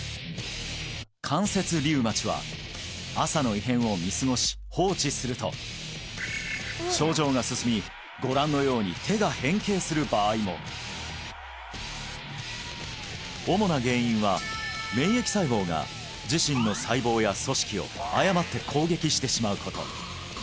関節リウマチは朝の異変を見過ごし放置すると症状が進みご覧のように手が変形する場合も主な原因は免疫細胞が自身の細胞や組織を誤って攻撃してしまうこと